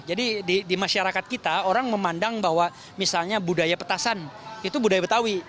jadi di masyarakat kita orang memandang bahwa misalnya budaya petasan itu budaya betawi